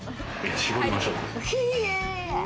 絞りましょう。